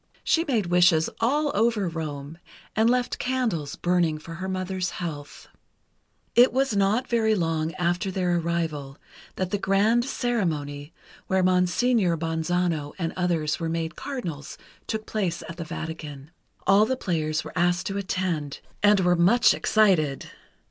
She made wishes all over Rome, and left candles burning for her mother's health. It was not very long after their arrival that the grand ceremony, where Monseigneur Bonzano and others were made Cardinals, took place at the Vatican. All the players were asked to attend, and were much excited.